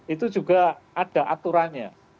itu juga ada aturannya